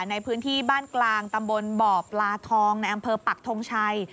ในพื้นที่บ้านกลางตำบลบลาทองในแอมพลักษณ์ผักธงชัย